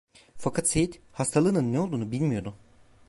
Fakat Seyit, hastalığının ne olduğunu bilmiyordu.